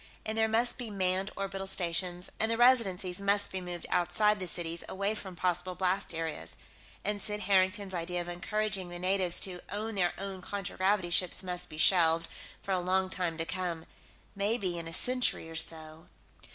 And there must be manned orbital stations, and the Residencies must be moved outside the cities, away from possible blast areas. And Sid Harrington's idea of encouraging the natives to own their own contragravity ships must be shelved, for a long time to come. Maybe, in a century or so....